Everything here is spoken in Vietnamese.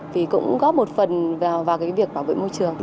thì cũng góp một phần vào cái việc bảo vệ môi trường